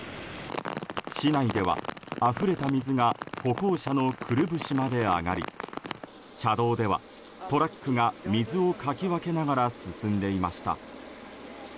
市内では、あふれた水が歩行者のくるぶしまで上がり車道ではトラックが水をかき分けながら進んでいました。